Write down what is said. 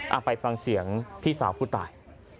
เอาไปฟังเสียงพี่สาวผู้ตาย